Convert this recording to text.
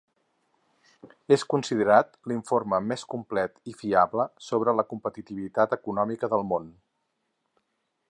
És considerat l’informe més complet i fiable sobre la competitivitat econòmica del món.